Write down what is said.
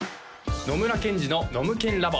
野村ケンジのノムケンＬａｂ！